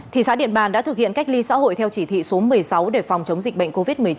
thị xã điện bàn đã thực hiện cách ly xã hội theo chỉ thị số một mươi sáu để phòng chống dịch bệnh covid một mươi chín